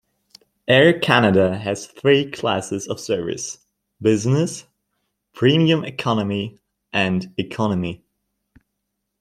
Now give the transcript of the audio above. Air Canada has three classes of service, Business, Premium Economy, and Economy.